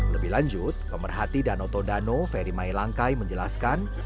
lebih lanjut pemerhati danau tondano ferry maelangkai menjelaskan